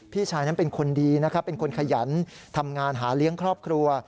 พี่ชายนั้นเป็นคนดีนะครับเป็นคนขยันทำงานหาเลี้ยงครอบครัว